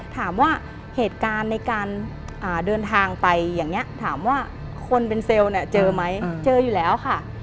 ถามว่าเหตุการณ์ในการเดินทางไปอย่างนี้ถามว่าคนเป็นเซลล์เนี่ยเจอไหมเจออยู่แล้วค่ะ